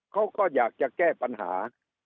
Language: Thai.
เขาก็อยากจะแก้ปัญหา